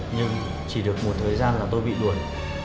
nhưng chỉ được một thời gian là tôi bị đuổi